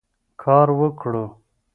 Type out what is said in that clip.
کار وکړو.